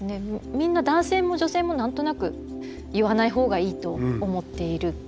みんな男性も女性も何となく言わない方がいいと思っている。